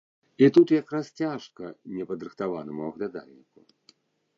І тут якраз цяжка непадрыхтаванаму аглядальніку.